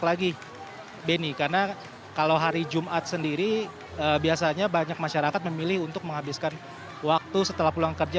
lagi benny karena kalau hari jumat sendiri biasanya banyak masyarakat memilih untuk menghabiskan waktu setelah pulang kerja